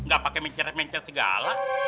gak pake menceret menceret segala